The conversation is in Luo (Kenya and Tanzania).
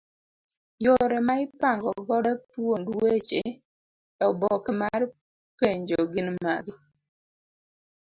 Yore ma ipango godo thuond weche eoboke mar penjo gin magi